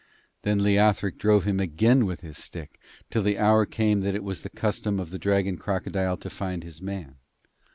Then Leothric drove him again with his stick till the hour came when it was the custom of the dragon crocodile to find his man.